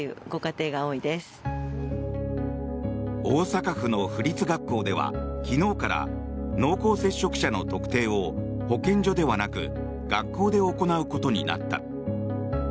大阪府の府立学校では昨日から濃厚接触者の特定を保健所ではなく学校で行うことになった。